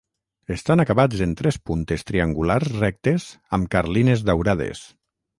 Estan acabats en tres puntes triangulars rectes amb carlines daurades.